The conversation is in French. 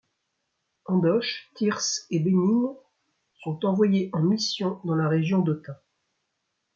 Andoche, Thyrse et Bénigne sont envoyés en mission dans la région d'Autun.